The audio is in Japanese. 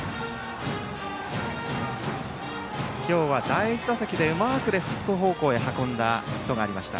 今日は第１打席でうまくレフト方向へ運んだヒットがありました。